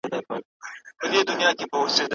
هر عمل پایله لري.